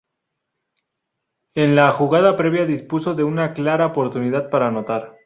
En la jugada previa dispuso de una clara oportunidad para anotar.